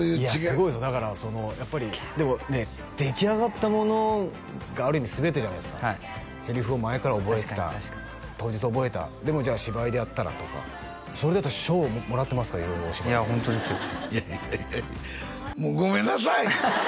すごいですよだからやっぱりでもね出来上がったものがある意味全てじゃないですかはいセリフを前から覚えてた確かに確かに当日覚えたでもじゃあ芝居でやったらとかそれだって賞もらってますから色々お芝居でいやホントですよいやいやいやいやもうごめんなさい！